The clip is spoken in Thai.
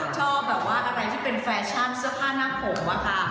ชอบแบบว่าอะไรที่เป็นแฟชั่นเสื้อผ้าหน้าผมอะค่ะ